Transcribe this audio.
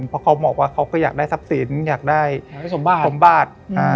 เพราะเขาบอกว่าเขาก็อยากได้ทรัพย์สินอยากได้สมบัติ